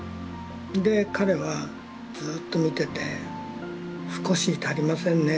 で彼はずっと見てて「すこし足りませんね